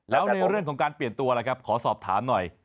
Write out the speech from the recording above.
แล้วในเรื่องของการเปลี่ยนตัวล่ะครับขอสอบถามหน่อย